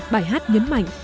bài hát nhấn mạnh